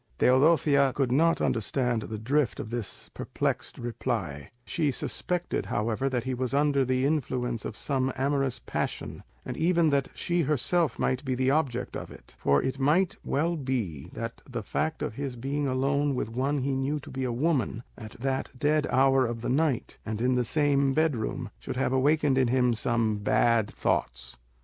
Teodosia could not understand the drift of this perplexed reply; she suspected, however, that he was under the influence of some amorous passion, and even that she herself might be the object of it; for it might well be that the fact of his being alone with one he knew to be a woman, at that dead hour of the night, and in the same bed room, should have awakened in him some bad thoughts.